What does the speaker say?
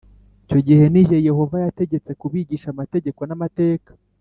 Icyo gihe ni jye Yehova yategetse kubigisha amategeko n’amateka,